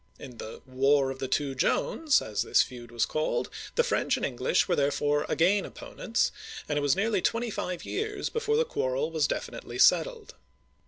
In the War of the Two Joans, as this feud is called, the French and English were therefore again oppo nents, and it was nearly twenty five years before the quarrel was definitely settled.